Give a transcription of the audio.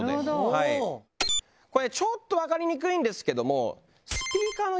これちょっと分かりにくいんですけども。